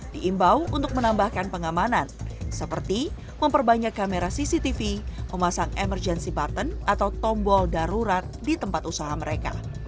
diimbau untuk menambahkan pengamanan seperti memperbanyak kamera cctv memasang emergency button atau tombol darurat di tempat usaha mereka